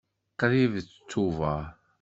Qrib d Tubeṛ.